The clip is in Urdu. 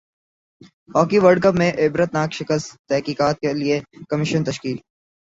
ہاکی ورلڈ کپ میں عبرتناک شکست تحقیقات کیلئے کمیشن تشکیل